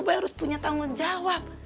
boy harus punya tanggung jawab